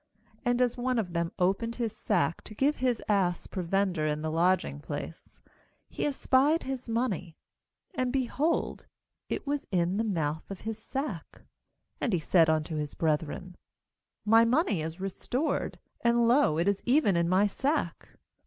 27And as one of them opened his sack to give his ass prov ender in the lodging place, he espied his money; and, behold, it was in the mouth of his sack. 28And he said unto his brethren: 'My money is restored; and, lo, it is even in my sack.'